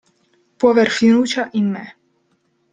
Può aver fiducia in me.